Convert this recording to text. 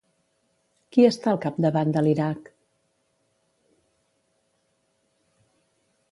Qui està al capdavant de l'Iraq?